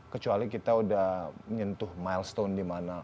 kecuali kita udah menyentuh milestone di mana